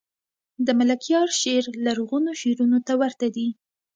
دملکیار شعر لرغونو شعرونو ته ورته دﺉ.